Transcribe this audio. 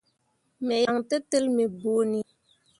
Me yan tǝtel me bõoni.